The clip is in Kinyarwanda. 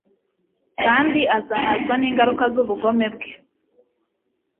kandi azahazwa n’ingaruka z’ubugome bwe